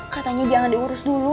katanya jangan diurus dulu